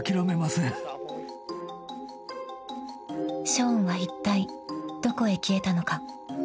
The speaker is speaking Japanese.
［ショーンはいったいどこへ消えたのか？］